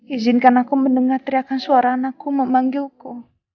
izinkan aku mendengar teriakan suara anakku memanggilku